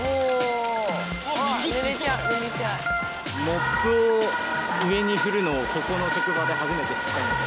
モップを上に振るのをここの職場で初めて知ったので。